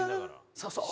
そうそう。